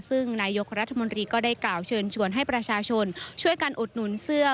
ซึ่งนายกรัฐมนตรีก็ได้กล่าวเชิญชวนให้ประชาชนช่วยกันอุดหนุนเสื้อ